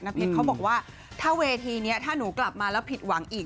เพชรเขาบอกว่าถ้าเวทีนี้ถ้าหนูกลับมาแล้วผิดหวังอีก